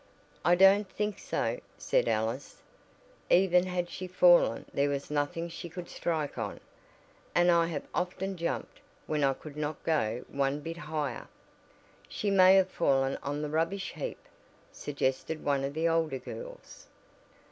"I don't think so," said Alice, "Even had she fallen there was nothing she could strike on, and I have often jumped when I could not go one bit higher." "She may have fallen on the rubbish heap," suggested one of the older girls.